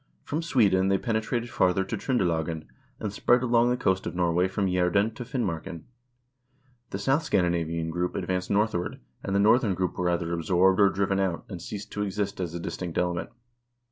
From Sweden they pene trated farther to Tr0ndelagen, and spread along the coast of Norway from Jsederen to Finmarken. The south Scandinavian group ad vanced northward, and the northern group were either absorbed or driven out, and ceased to exist as a distinct element.